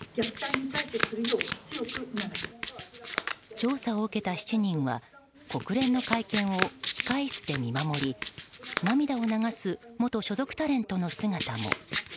調査を受けた７人は国連の会見を控室で見守り涙を流す元所属タレントの姿も。